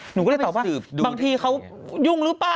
หนูก็เลยตอบว่าบางทีเขายุ่งหรือเปล่า